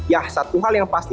ya satu hal yang pasti